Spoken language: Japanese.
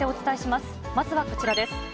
まずはこちらです。